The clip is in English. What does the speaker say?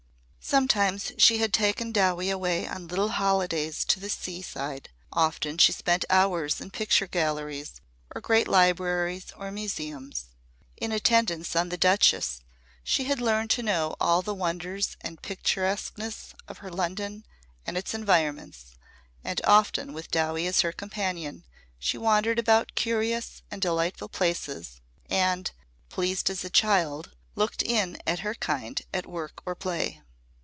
Sometimes she had taken Dowie away on little holidays to the sea side, often she spent hours in picture galleries or great libraries or museums. In attendance on the Duchess she had learned to know all the wonders and picturesqueness of her London and its environments, and often with Dowie as her companion she wandered about curious and delightful places and, pleased as a child, looked in at her kind at work or play.